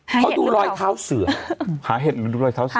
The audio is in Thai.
เขาดูรอยเท้าเสือหาเห็ดเหมือนดูรอยเท้าเสือ